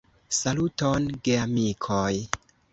Saluton, geamikoj!